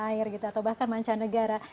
dan air gitu atau bahkan mancanegara